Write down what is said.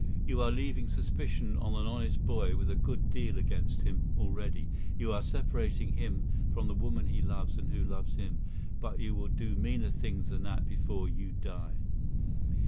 You are leaving suspicion on an honest boy with a good deal against him already; you are separating him from the woman he loves and who loves him. But you will do meaner things than that before you die."